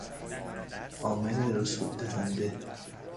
عامل رسوب دهنده